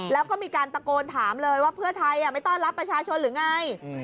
แล้วก็มีการตะโกนถามเลยว่าเพื่อไทยไม่ต้อนรับประชาชนหรือไง